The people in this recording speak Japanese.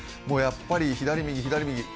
もうやっぱり左右左右